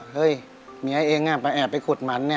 เฮ้ยเมียเองไปแอบไปขุดมันเนี่ย